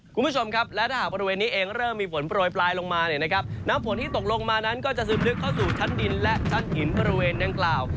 คุณผู้ชมครับและถ้าหากบริเวณนี้เองเริ่มมีฝนโปรยปลายลงมาเนี่ยนะครับน้ำฝนที่ตกลงมานั้นก็จะซึมลึกเข้าสู่ชั้นดินและชั้นหินบริเวณดังกล่าว